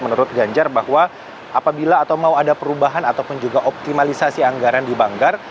menurut ganjar bahwa apabila atau mau ada perubahan ataupun juga optimalisasi anggaran di banggar